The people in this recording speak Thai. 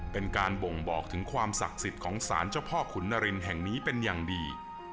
เป็นการบ่งบอกถึงความศักดิ์สิทธิ์ของสารเจ้าพ่อขุนนารินแห่งนี้เป็นอย่างดี